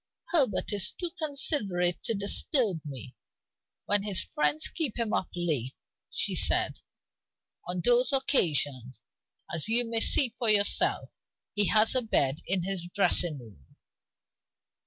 "Herbert is too considerate to disturb me, when his friends keep him up late," she said. "On those occasions, as you may see for yourself, he has a bed in his dressing room."